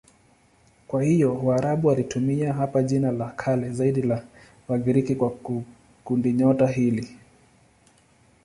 Kwa hiyo Waarabu walitumia hapa jina la kale zaidi la Wagiriki kwa kundinyota hili.